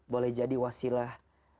boleh jadi wasilah